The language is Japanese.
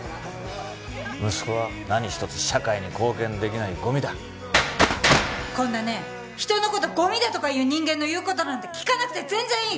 息子は何一つ社会に貢献できないゴミだこんなね人のことゴミだとか言う人間の言うことなんて聞かなくて全然いい！